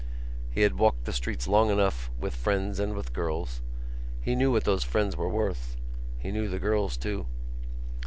He had walked the streets long enough with friends and with girls. He knew what those friends were worth: he knew the girls too.